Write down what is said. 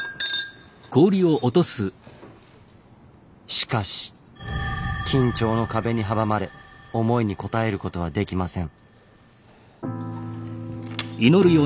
しかし緊張の壁に阻まれ思いに応えることはできません。